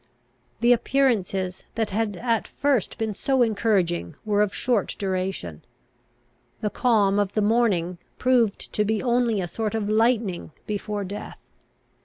The appearances that had at first been so encouraging were of short duration. The calm of the morning proved to be only a sort of lightening before death.